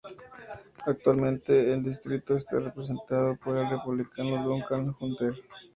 Actualmente el distrito está representado por el Republicano Duncan D. Hunter.